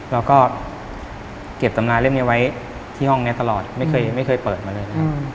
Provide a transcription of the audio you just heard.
แล้วก็เก็บตำราเล่มนี้ไว้ที่ห้องนี้ตลอดไม่เคยเปิดมาเลยนะครับ